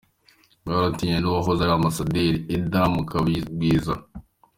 Mwamwitiranyije n’uwahoze ari Ambasaderi Edda Mukabagwiza.”